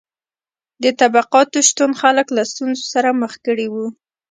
د طبقاتو شتون خلک له ستونزو سره مخ کړي وو.